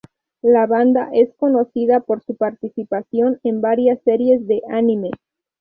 La banda es conocida por su participación en varias series de anime.